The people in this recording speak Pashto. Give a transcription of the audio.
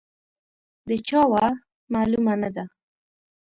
د چا وه، معلومه نه ده.